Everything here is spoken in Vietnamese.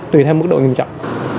tùy theo mức độ nghiêm trọng